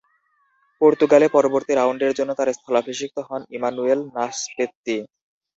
পর্তুগালে পরবর্তী রাউন্ডের জন্য তার স্থলাভিষিক্ত হন ইমানুয়েল নাসপেত্তি।